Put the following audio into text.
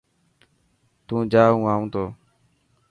تو جا هون آنو ٿو.